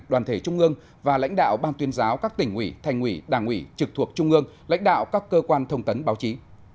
đoàn thể trung ương và lãnh đạo ban tuyên giáo các tỉnh ủy thành ủy đảng ủy trực thuộc trung ương lãnh đạo các cơ quan thông tấn báo chí